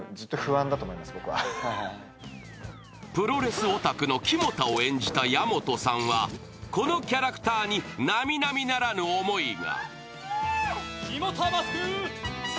プロレスオタクの肝田を演じた矢本さんはこのキャラクターに並々ならぬ思いが。